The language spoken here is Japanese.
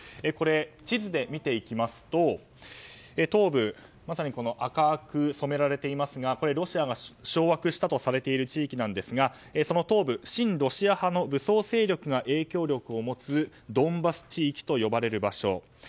これ、地図で見ていきますと東部、赤く染められていますがロシアが掌握したとされる地域ですがその東部、親ロシア派の武装勢力が影響力を持つドンバス地域と呼ばれる場所。